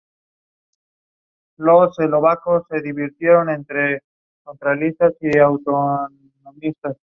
El mayor, Salvador, siguió con el negocio de estampación de su padre.